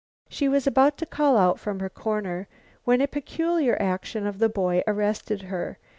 She was about to call out from her dark corner, when a peculiar action of the boy arrested her.